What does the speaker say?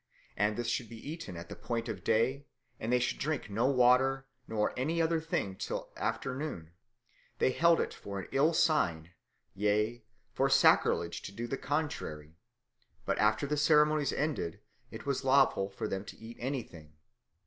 And this should be eaten at the point of day, and they should drink no water nor any other thing till after noon: they held it for an ill sign, yea, for sacrilege to do the contrary: but after the ceremonies ended, it was lawful for them to eat anything.